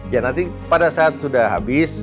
ya nanti pada saat sudah habis